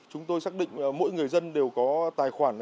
chúng tôi xác định mỗi người dân đều có tài khoản